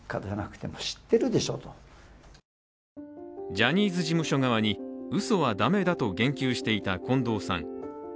ジャニーズ事務所側にうそはだめだと言及していた近藤さん。